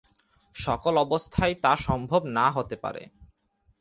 সকল অবস্থায় তা সম্ভব না হতে পারে।